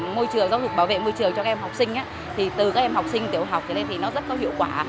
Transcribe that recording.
môi trường giáo dục bảo vệ môi trường cho các em học sinh thì từ các em học sinh tiểu học trở lên thì nó rất có hiệu quả